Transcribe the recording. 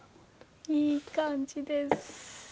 いい感じです。